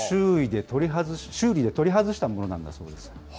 修理で取り外したものなんだそうです。